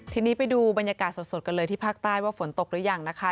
ทีนี้ไปดูบรรยากาศสดกันเลยที่ภาคใต้ว่าฝนตกหรือยังนะคะ